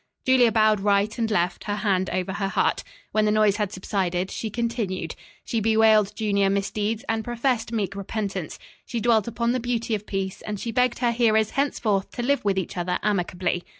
Julia bowed right and left, her hand over her heart. When the noise had subsided, she continued. She bewailed junior misdeeds and professed meek repentance. She dwelt upon the beauty of peace and she begged her hearers henceforth to live with each other amicably.